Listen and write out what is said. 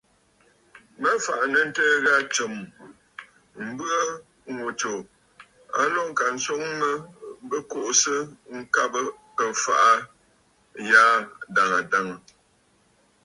Mə fàʼà nɨ̂ ǹtɨɨ̀ ghâ tsɨm, mbɨ̀ʼɨ̀ ŋù tsù a lǒ ŋka swoŋ mə bɨ kuʼusə ŋkabə̀ ɨfàʼà ghaa adàŋə̀ dàŋə̀.